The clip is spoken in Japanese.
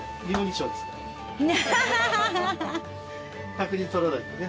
確認取らないとね。